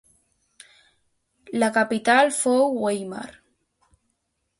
La capital fou Weimar.